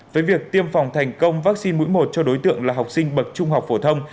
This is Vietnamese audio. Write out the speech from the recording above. với việc tiêm phòng thành công vaccine mũi một cho đối tượng là học sinh bậc trung học phổ thông